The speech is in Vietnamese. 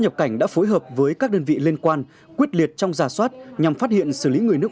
nhập cảnh đã phối hợp với các đơn vị liên quan quyết liệt trong giả soát nhằm phát hiện xử lý người nước